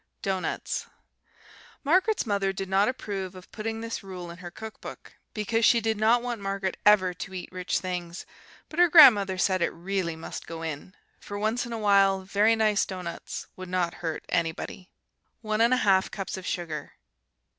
Doughnuts Margaret's mother did not approve of putting this rule in her cook book, because she did not want Margaret ever to eat rich things; but her grandmother said it really must go in, for once in awhile very nice doughnuts would not hurt anybody. 1 1/2 cups of sugar.